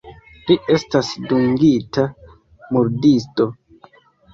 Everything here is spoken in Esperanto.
Li estas dungita murdisto.